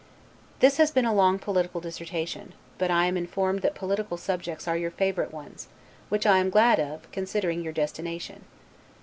This has been a long political dissertation; but I am informed that political subjects are your favorite ones; which I am glad of, considering your destination.